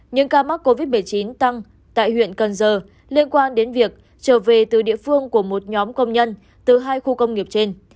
những ca mắc covid một mươi chín tăng tại huyện cần giờ liên quan đến việc trở về từ địa phương của một nhóm công nhân từ hai khu công nghiệp trên